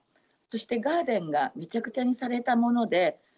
そしてガーデンがめちゃくちゃにされたもので。